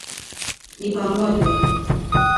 ni pamoja